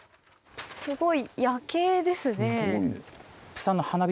すごい夜景ですね。